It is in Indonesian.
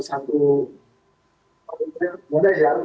maka yang bisa dijalankan